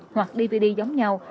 hoặc dvd giống nhau